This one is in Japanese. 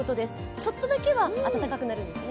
ちょっとだけは暖かくなるんですね？